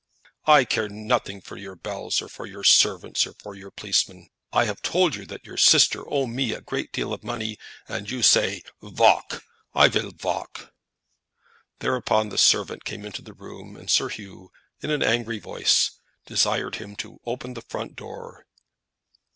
"I care nothing for your bells, or for your servants, or for your policemen. I have told you that your sister owe me a great deal of money, and you say, Valk. I vill valk." Thereupon the servant came into the room, and Sir Hugh, in an angry voice, desired him to open the front door.